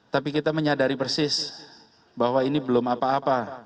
tapi kita menyadari persis bahwa ini belum apa apa